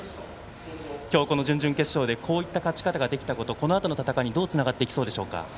今日、この準々決勝でこういった勝ち方ができたことこのあとの戦いにどうつながっていきそうでしょうか。